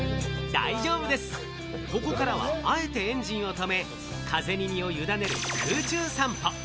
大丈夫です、ここからはあえてエンジンを止め、風に身を委ねる空中散歩。